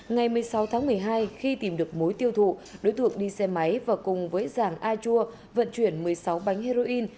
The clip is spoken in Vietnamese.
ngày một mươi sáu tháng một mươi hai khi tìm được mối tiêu thụ đối tượng đi xe máy và cùng với giàng a chua vận chuyển một mươi sáu bánh heroin